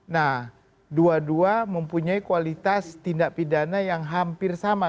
nah dua dua mempunyai kualitas tindak pidana yang hampir sama